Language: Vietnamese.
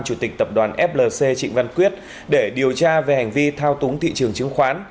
chủ tịch tập đoàn flc trịnh văn quyết để điều tra về hành vi thao túng thị trường chứng khoán